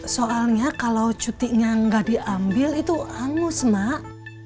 soalnya kalau cutinya gak diambil itu anus mak